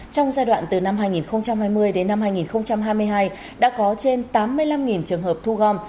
trong giai đoạn từ năm hai nghìn hai mươi đến năm hai nghìn hai mươi hai đã có trên tám mươi năm trường hợp thu gom